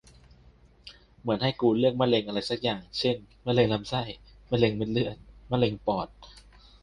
เหมือนให้กูเลือกมะเร็งอะไรสักอย่าง เช่น มะเร็งลำไส้ มะเร็งเม็ดเลือด มะเร็งปอด